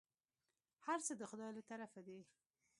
هرڅه د خداى له طرفه دي.